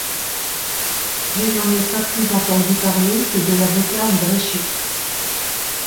Je n’en ai pas plus entendu parler que de l’avocat André Schut.